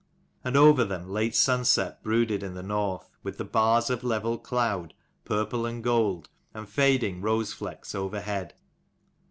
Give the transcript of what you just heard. And over, them late sunset brooded in the North, with bars of level cloud, purple and gold, and fading rose flecks overhead.